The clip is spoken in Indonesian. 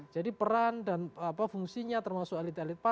jadi peran dan fungsinya termasuk alit alitnya